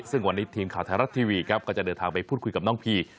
ซึ่งวันนี้ทีมข่าวไทยรัฐทีวีครับก็จะเดินทางไปพูดคุยกับน้องพี